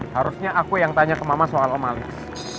harusnya aku yang tanya ke mama soal om alex